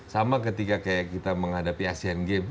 sama ketika kayak kita menghadapi asian games